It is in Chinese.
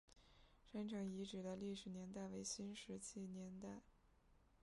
山城遗址的历史年代为新石器时代。